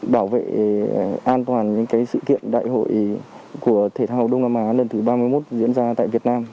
bảo vệ an toàn những sự kiện đại hội của thể thao đông nam á lần thứ ba mươi một diễn ra tại việt nam